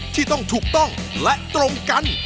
ที่ต้องถูกต้องและตรงกัน